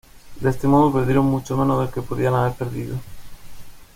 De este modo perdieron mucho menos del que podían haber perdido.